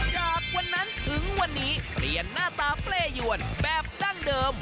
จากวันนั้นถึงวันนี้เปลี่ยนหน้าตาเปรยวนแบบดั้งเดิม